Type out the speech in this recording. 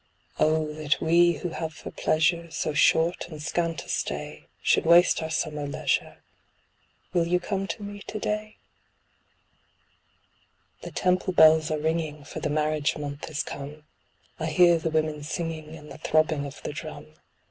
Oh, that we, who have for pleasure so short & scant a stay, Should waste our summer leisure; will you come to me to day? The Temple bells are ringing, for the marriage month has come. I hear the women singing, and the throbbing of the drum.